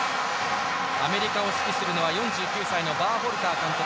アメリカを指揮するのは４９歳のバーホルター監督。